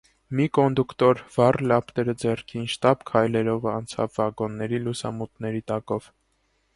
Մի կոնդուկտոր, վառ լապտերը ձեռքին, շտապ քայլերով անցավ վագոնների լուսամուտների տակով: